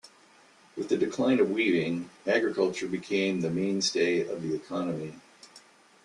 With the decline of weaving, agriculture became the mainstay of the economy.